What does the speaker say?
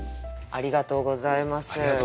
ありがとうございます。